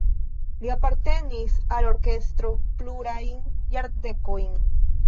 Li apartenis al orkestro plurajn jardekojn.